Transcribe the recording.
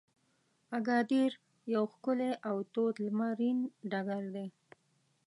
اګادیر یو ښکلی او تود لمرین ډګر دی.